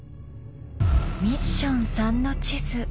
ミッション３の地図。